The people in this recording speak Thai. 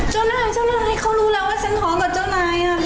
เจ้านายเจ้านายเขารู้แล้วว่าฉันของกับเจ้านายอ่ะ